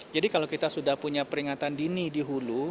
jadi kalau kita sudah punya peringatan dini di hulu